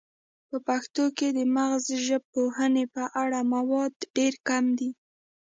په پښتو کې د مغزژبپوهنې په اړه مواد ډیر کم دي